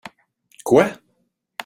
Quoi ?